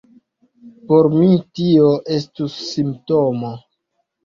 Por mi tio estus simptomo!